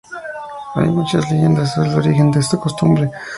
Hay muchas leyendas sobre el origen de esta costumbre.